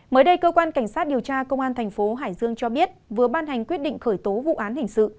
mới đây cơ quan cảnh sát điều tra công an thành phố hải dương cho biết vừa ban hành quyết định khởi tố vụ án hình sự